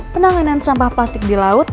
penanganan sampah plastik di laut